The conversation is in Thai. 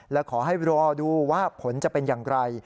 และขอให้รอดูว่าผลจะเป็นอย่างไร